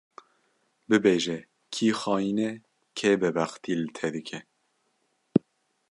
Bibêje kî xayîn e, kê bêbextî li te dike